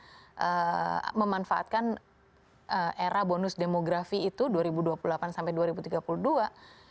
kita memanfaatkan era bonus demografi itu dua ribu dua puluh delapan sampai dua ribu tiga puluh dua